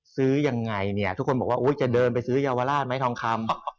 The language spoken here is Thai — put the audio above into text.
ซึ้วยังไงทุกคนบอกว่าหาทางจะไปซื้อยาวาลาสหรือทองคำ